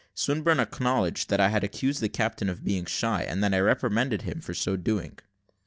Swinburne acknowledged that he accused the captain of being shy, and that I reprimanded him for so doing.